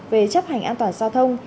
về chấp hành an toàn giao thông